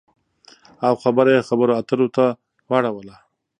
او خبره یې خبرو اترو ته واړوله